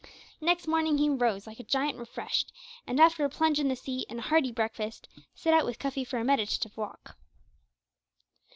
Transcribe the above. Next morning he rose like a giant refreshed, and, after a plunge in the sea and a hearty breakfast, set out with Cuffy for a meditative walk.